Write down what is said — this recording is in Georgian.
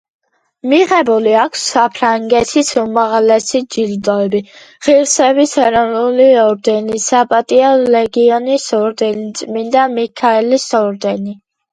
მიღებული აქვს საფრანგეთის უმაღლესი ჯილდოები: ღირსების ეროვნული ორდენი, საპატიო ლეგიონის ორდენი, წმინდა მიქაელის ორდენი.